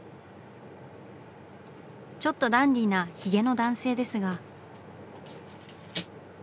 ちょっとダンディーなヒゲの男性ですが。